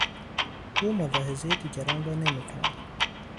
او ملاحظهی دیگران را نمیکند.